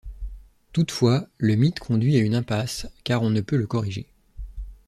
Toutefois, le mythe conduit à une impasse car on ne peut le corriger.